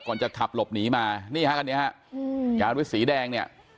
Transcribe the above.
ก่อนจะขับหลบหนีมานี่ฮะกันเนี่ยฮะการวิสีแดงเนี่ย